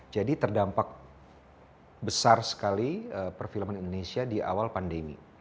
jadi terdampak besar sekali perfilman indonesia di awal pandemi